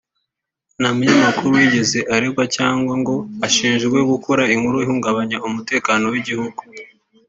nta munyamakuru wigeze aregwa cyangwa ngo ashinjwe gukora inkuru ihungabanya umutekano w’igihugu